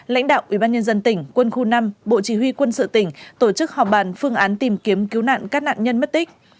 lãnh đạo ubnd tỉnh quân khu năm bộ chỉ huy quân sự tỉnh tổ chức họp bàn phương án tìm kiếm cứu nạn các nạn nhân mất tích